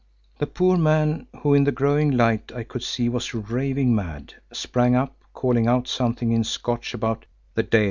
The poor man who in the growing light I could see was raving mad, sprang up, calling out something in Scotch about "the deil."